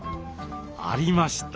ありました。